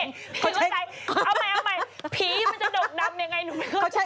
เอาใหม่ผีมันจะดกดำยังไง